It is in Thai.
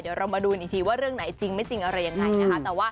เดี๋ยวเรามาดูกันอีกทีว่าเรื่องไหนจริงไม่จริงอะไรยังไงนะคะ